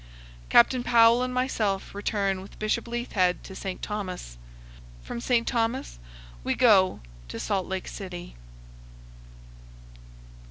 Captain Powell and myself return with Bishop Leithhead to St. Thomas. From St. Thomas we go to Salt Lake City.